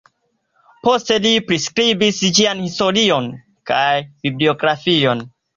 Poste li priskribis ĝian historion kaj bibliografion.